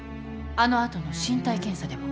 あの後の身体検査でも。